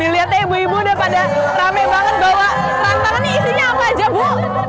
lihat ya ibu ibu udah pada rame banget bawa rantangan ini isinya apa aja bu